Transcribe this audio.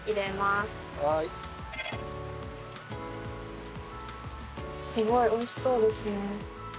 すごい美味しそうですね。